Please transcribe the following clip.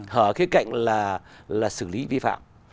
hở cái cạnh là xử lý vi phạm